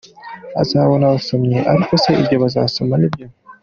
Azabona abasomyi, ariko se ibyo bazasoma nibyo ?